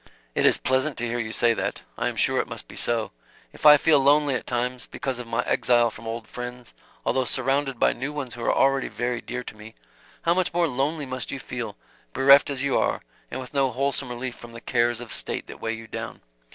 "It is pleasant to hear you say that. I am sure it must be so. If I feel lonely at times, because of my exile from old friends, although surrounded by new ones who are already very dear to me, how much more lonely must you feel, bereft as you are, and with no wholesome relief from the cares of state that weigh you down.